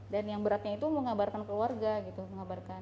dan yang beratnya itu mengabarkan keluarga gitu mengabarkan